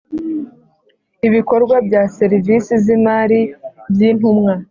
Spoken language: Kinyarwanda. ibikorwa bya serivisi z imari by Intumwa